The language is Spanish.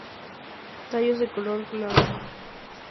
Tallos de color glauco.